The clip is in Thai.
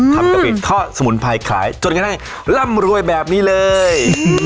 ทำกะปิทอดสมุนไพรขายจนกันให้ร่ำรวยแบบนี้เลย